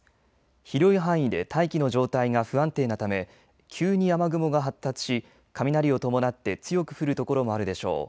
広い範囲で大気の状態が不安定なため急に雨雲が発達し雷を伴って強く降る所もあるでしょう。